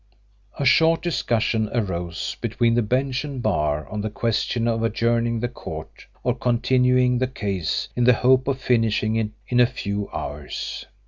'" A short discussion arose between the bench and bar on the question of adjourning the court or continuing the case in the hope of finishing it in a few hours.